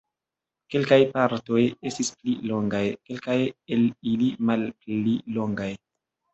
Kelkaj partoj estis pli longaj, kelkaj el ili malpli longaj.